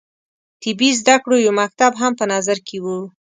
طبي زده کړو یو مکتب هم په نظر کې وو.